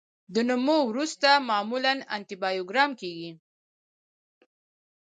د نمو وروسته معمولا انټي بایوګرام کیږي.